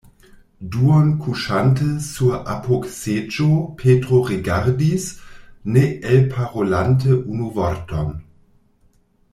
Duonkuŝante sur apogseĝo, Petro rigardis, ne elparolante unu vorton.